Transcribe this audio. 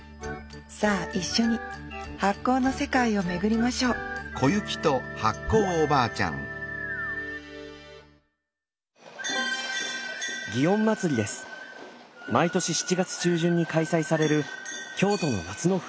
さあ一緒に発酵の世界を巡りましょう毎年７月中旬に開催される京都の夏の風物詩です。